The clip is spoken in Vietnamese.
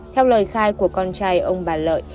theo lời khai của con trai ông bà lợi